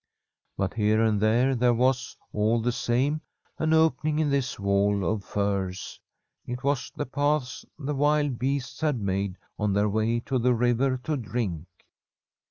But here and there there was, all the same, an opening in this wall of firs. It was the paths the wild beasts had made on their way to the river to drink.